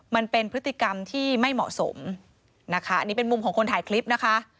มันเป็นพฤติกรรมที่ไม่เหมาะสมนะคะอันนี้เป็นมุมของคนถ่ายคลิปนะคะ